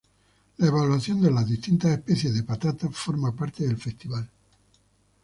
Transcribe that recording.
La evaluación de las distintas especies de patata forma parte del festival.